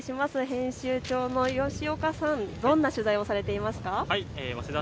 編集長の吉岡さん、どんな取材をされていますか。